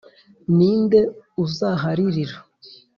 Ni nde uzaharirira?